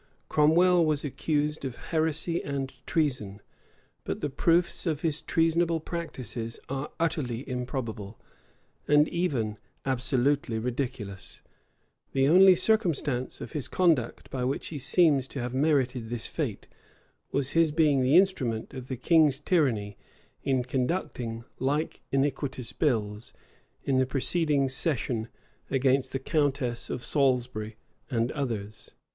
Cromwell was accused of heresy and treason: but the proofs of his treasonable practices are utterly improbable, and even absolutely ridiculous.[*] The only circumstance of his conduct by which he seems to have merited this fate, was his being the instrument of the king's tyranny in conducting like iniquitous bills, in the preceding session, against the countess of Salisbury and others.